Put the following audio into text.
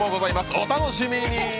お楽しみに！